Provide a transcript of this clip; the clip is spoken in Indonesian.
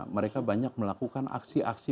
mereka banyak melakukan aksi aksi